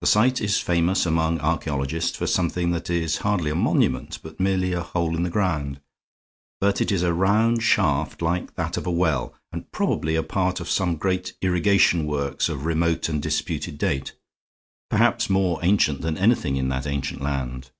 The site is famous among archaeologists for something that is hardly a monument, but merely a hole in the ground. But it is a round shaft, like that of a well, and probably a part of some great irrigation works of remote and disputed date, perhaps more ancient than anything in that ancient land.